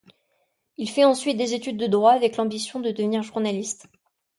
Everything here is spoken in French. Il fait ensuite des études de droit avec l'ambition de devenir journaliste.